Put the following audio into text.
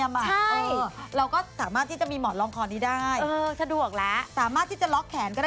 คือทำได้หมดเพราะว่าสะดวกงาน